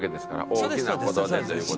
大きな事でという事で。